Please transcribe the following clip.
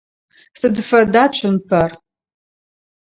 Сыд фэда цумпэр?